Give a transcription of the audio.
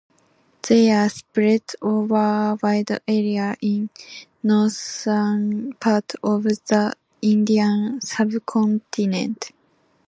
They were spread over a wide area in northern part of the Indian subcontinent.